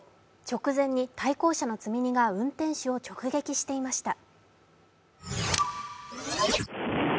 直前に対向車の積み荷が運転手を直撃していました。